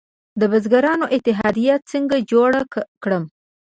د بزګرانو اتحادیه څنګه جوړه کړم؟